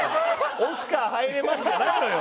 「オスカー入れます」じゃないのよ。